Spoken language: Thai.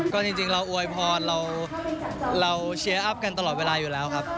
ก็จริงเราอวยพรเราเชียร์อัพกันตลอดเวลาอยู่แล้วครับ